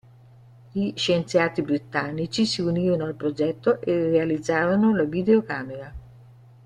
Gli scienziati britannici si unirono al progetto e realizzarono la videocamera.